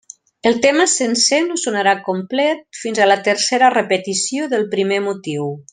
El tema sencer no sonarà complet fins a la tercera repetició del primer motiu.